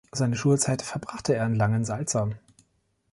Seine Schulzeit verbrachte er in Langensalza.